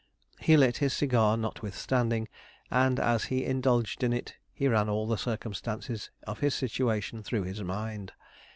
He lit his cigar notwithstanding; and, as he indulged in it, he ran all the circumstances of his situation through his mind.